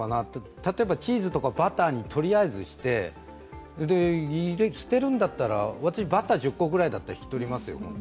例えばチーズとかバターにとりあえずしてで、捨てるんだったら私、バター１０個くらいだったら引き取りますよ。